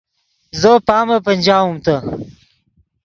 زو پامے پنجاؤم تے